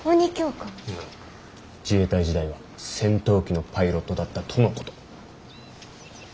自衛隊時代は戦闘機のパイロットだったとのこと。